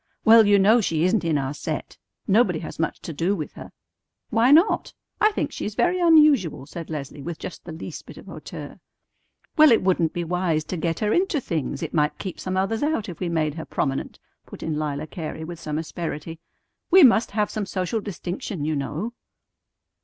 "Well, you know she isn't in our set. Nobody has much to do with her." "Why not? I think she is very unusual," said Leslie with just the least bit of hauteur. "Well, it wouldn't be wise to get her into things. It might keep some others out if we made her prominent," put in Lila Cary with some asperity. "We must have some social distinction, you know."